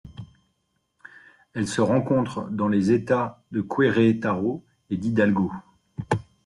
Elle se rencontre dans les États du Querétaro et d'Hidalgo.